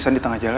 masuk kuliah dulu